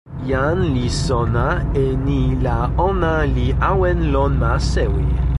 jan li sona e ni la ona li awen lon ma sewi.